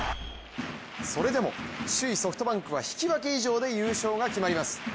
それでも首位・ソフトバンクは引き分け以上で優勝が決まります。